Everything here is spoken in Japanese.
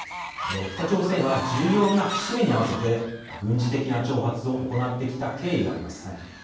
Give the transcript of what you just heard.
北朝鮮は重要な節目に合わせて軍事的な挑発を行ってきた経緯があります。